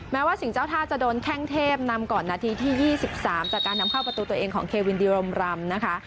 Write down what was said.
แม้ว่าสิ่งเจ้าท่าจะโดนแข้งเทพนำก่อนนาทีที่๒๓จากการนำเข้าประตูตัวเองของเควินดีรมรำนะคะ